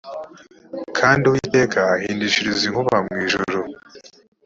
kandi uwiteka ahindishiriza inkuba mu ijuru